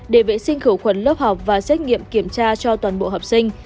để vệ sinh khử khuẩn lớp học và xét nghiệm kiểm tra cho toàn bộ học sinh